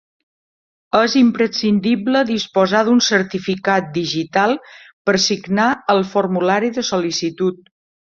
És imprescindible disposar d'un certificat digital per signar el formulari de sol·licitud.